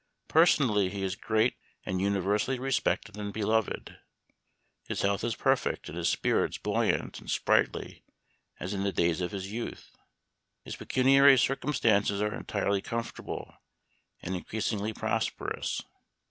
Personally he is greatly and universally respected and beloved. His health is perfect, and his spirits buoyant and sprightly as in the days of his youth. His pe cuniary circumstances are entirely comfortable and increasingly prosperous.